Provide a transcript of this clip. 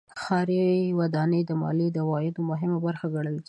ښاري ودانۍ د مالیې د عوایدو مهمه برخه ګڼل کېږي.